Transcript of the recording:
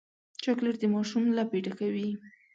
چاکلېټ د ماشوم لپې ډکوي.